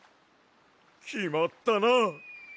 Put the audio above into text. きまったな！